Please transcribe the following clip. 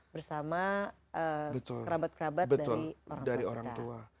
bersama kerabat kerabat dari orang tua kita